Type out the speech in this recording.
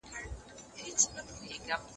هغه له ډېر وخته په دې برخه کې دی.